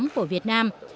của việt nam